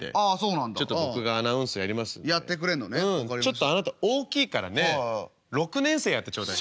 ちょっとあなた大きいからね６年生やってちょうだい。